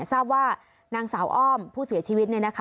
ทราบว่านางสาวอ้อมผู้เสียชีวิต